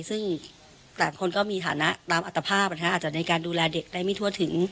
ซึ่งแต่ละคนก็มีฐานะตามอัตภาพอาจจะในการดูแลเด็กได้ไม่ทั่วถึง